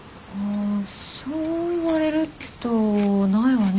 あそう言われるとないわね